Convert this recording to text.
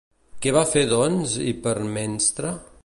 Què va fer doncs Hipermnestra?